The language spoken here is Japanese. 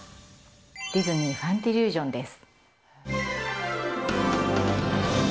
ディズニー・ファンティリュージョンです。